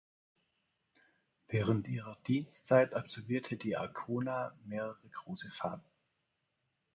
Während ihrer Dienstzeit absolvierte die "Arcona" mehrere große Fahrten.